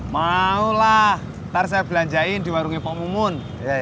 mau lah nanti saya belanjain di warungnya pak mumun